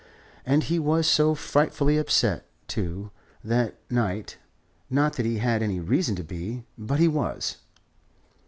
"And he was so frightfully upset, too, that night not that he had any reason to be; but he was."